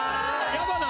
矢花！